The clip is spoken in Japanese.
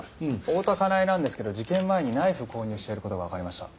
大多香苗なんですけど事件前にナイフを購入してる事がわかりました。